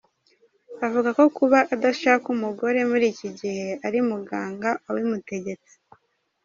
Avuga ko kuba adashaka umugore muri iki gihe ari muganga wabimutegetse.